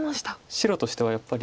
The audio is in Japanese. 白としてはやっぱり。